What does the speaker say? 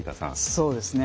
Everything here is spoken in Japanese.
そうですね。